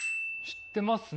知ってます！？